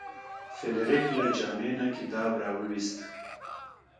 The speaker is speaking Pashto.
فلیریک له جامې نه کتاب راویوست.